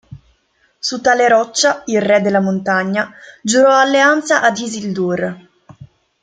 Su tale roccia il Re della Montagna giurò alleanza ad Isildur.